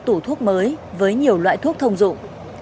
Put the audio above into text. tủ thuốc mới với nhiều loại thuốc thông dụng